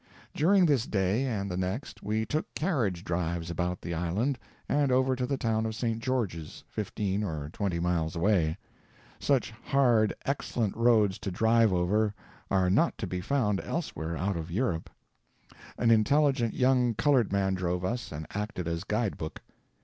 During this day and the next we took carriage drives about the island and over to the town of St. George's, fifteen or twenty miles away. Such hard, excellent roads to drive over are not to be found elsewhere out of Europe. An intelligent young colored man drove us, and acted as guide book.